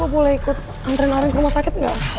al kau boleh ikut ngantriin arin ke rumah sakit gak